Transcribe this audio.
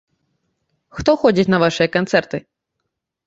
Хто ходзіць на вашыя канцэрты?